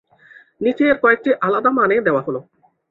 নিচে এর কয়েকটি আলাদা মানে দেওয়া হল।